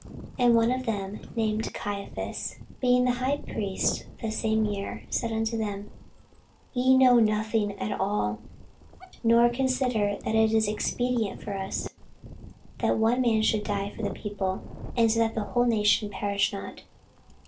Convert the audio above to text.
And one of them, named Caiaphas, being the high priest that same year, said unto them, Ye know nothing at all, nor consider that it is expedient for us, that one man should die for the people, and that the whole nation perish not.